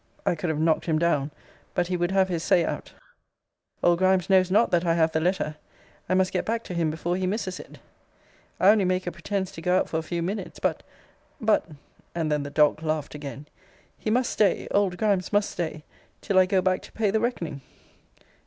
I could have knocked him down; but he would have his say out 'old Grimes knows not that I have the letter I must get back to him before he misses it I only make a pretence to go out for a few minutes but but' and then the dog laughed again 'he must stay old Grimes must stay till I go back to pay the reckoning.'